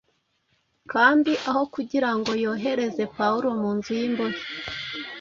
kandi aho kugira ngo yohereze Pawulo mu nzu y’imbohe